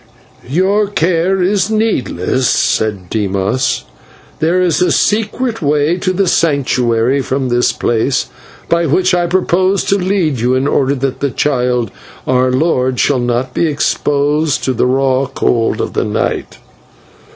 "Your care is needless," said Dimas. "There is a secret way to the Sanctuary from this place, by which I propose to lead you in order that the child, our lord, shall not be exposed to the raw cold of the night."